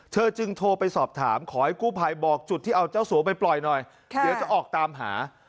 เธอจึงโทรไปสอบถามขอให้กู้ภัยบอกจุดที่เอาเจ้าสัวไปปล่อยหน่อยเดี๋ยวจะออกตามหา